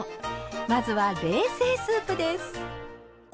まずは冷製スープです。